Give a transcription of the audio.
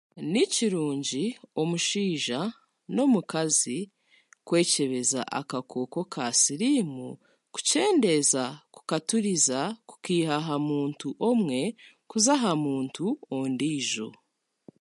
Ni kirungi omushaija n'omukazi kwekyebeza akakooko ka siriimu kukyendeeza kukaturiza kukaiha ha muntu omwe kuza ha muntu ondiijo.